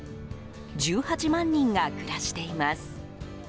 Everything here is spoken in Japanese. １８万人が暮らしています。